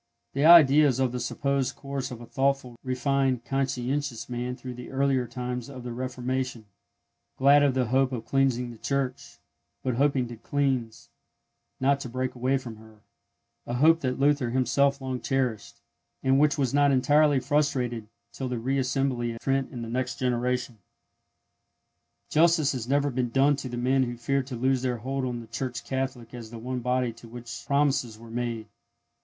The idea is of the supposed course of a thoughtful, refined, conscientious man through the earlier times of the Reformation, glad of the hope of cleansing the Church, but hoping to cleanse, not to break away from her—a hope that Luther himself long cherished, and which was not entirely frustrated till the re assembly at Trent in the next generation. Justice has never been done to the men who feared to loose their hold on the Church Catholic as the one body to which the promises were made.